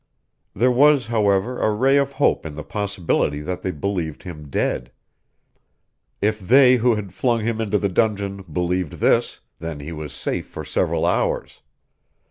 There was, however, a ray of hope in the possibility that they believed him dead. If they who had flung him into the dungeon believed this, then he was safe for several hours.